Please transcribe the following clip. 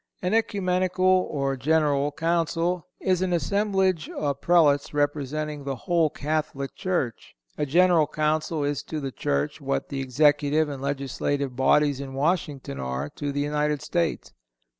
An Ecumenical or General Council is an assemblage of Prelates representing the whole Catholic Church. A General Council is to the Church what the Executive and Legislative bodies in Washington are to the United States.